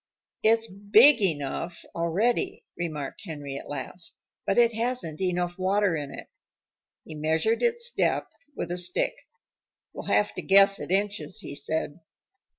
"It's big enough already," remarked Henry at last, "but it hasn't enough water in it." He measured its depth with a stick. "We'll have to guess at inches," he said.